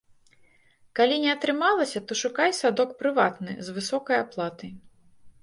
Калі не атрымалася, то шукай садок прыватны з высокай аплатай.